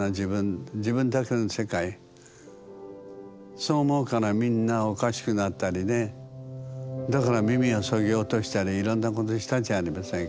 そう思うからみんなおかしくなったりねだから耳をそぎ落としたりいろんなことしたじゃありませんか。